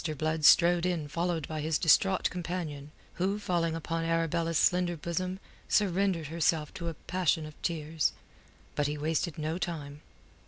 Blood strode in followed by his distraught companion, who, falling upon Arabella's slender bosom, surrendered herself to a passion of tears. But he wasted no time.